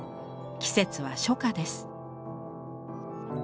季節は初夏です。